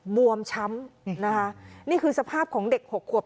บวมช้ำนะคะนี่คือสภาพของเด็กหกขวบ